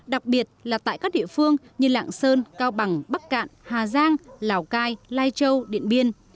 đặc biệt là tại các địa phương như lạng sơn cao bằng bắc cạn hà giang lào cai lai châu điện biên